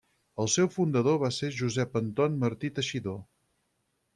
El seu fundador va ser Josep Anton Martí Teixidor.